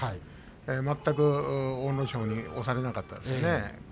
全く阿武咲に押されなかったですね。